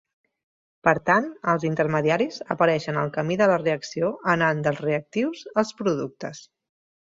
Per tant, els intermediaris apareixen al camí de la reacció anant dels reactius als productes.